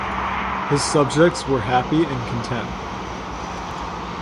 His subjects were happy and content.